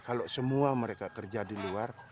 kalau semua mereka kerja di luar